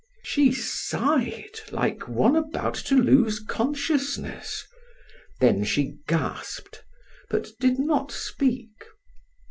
She sighed like one about to lose consciousness; then she gasped, but did not speak.